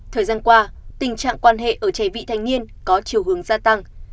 thời gian qua tình trạng quan hệ ở trẻ vị thanh niên có chiều hướng gia tăng